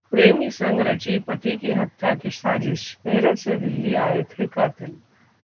प्रेमी संग रची पति की हत्या की साजिश, मेरठ से दिल्ली आए थे कातिल